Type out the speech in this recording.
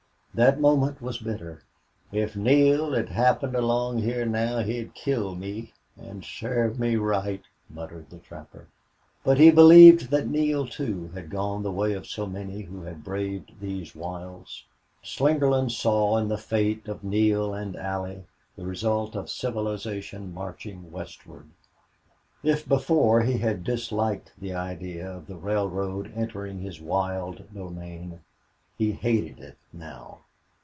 That moment was bitter. "If Neale'd happen along hyar now he'd kill me an' sarve me right," muttered the trapper. But he believed that Neale, too, had gone the way of so many who had braved these wilds. Slingerland saw in the fate of Neale and Allie the result of civilization marching westward. If before he had disliked the idea of the railroad entering his wild domain, he hated it now.